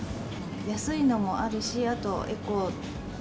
安いのもあるし、あとエコで。